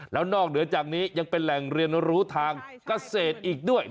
แล้วนอกเหนือจากนี้ยังเป็นแหล่งเรียนรู้ทางเกษตรอีกด้วย